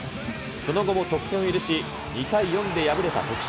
その後も得点を許し、２対４で敗れた徳島。